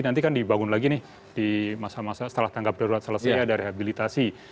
nanti kan dibangun lagi nih di masa masa setelah tanggap darurat selesai ada rehabilitasi